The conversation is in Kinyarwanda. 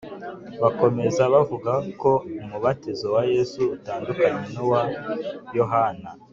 ; bakomeza bavuga ko umubatizo wa Yesu utandukanye n’uwa Yohana